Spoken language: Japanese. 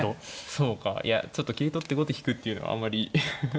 そうかいやちょっと桂取って後手引くっていうのはあんまり。